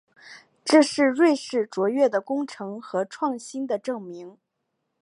这是瑞士卓越的工程和创新的证明。